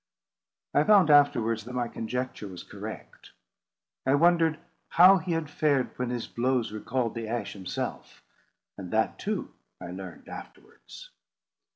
I found afterwards that my conjecture was correct. I wondered how he had fared when his blows recalled the Ash himself, and that too I learned afterwards.